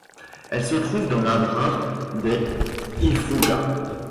Elle se trouve dans l'Adrar des Ifoghas.